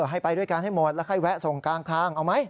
ให้ไปด้วยกันให้หมดแล้วค่อยแวะส่งกลางทางเอาไหม